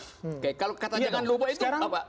oke kalau katanya jangan lupa itu apa